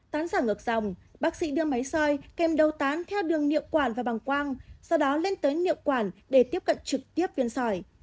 tán sỏi ngược dòng bác sĩ đưa máy sỏi kèm đầu tán theo đường nhậu quả và bảng quang sau đó lên tới nhậu quả để tiếp cận trực tiếp viên sỏi